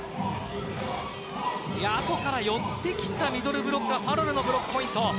あとから寄ってきたミドルブロッカーファロルのブロックポイント。